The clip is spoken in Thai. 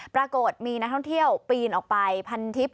ปรากฏมีนักท่องเที่ยวปีนออกไปพันทิพย